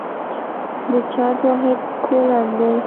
د چارج واحد کولم دی.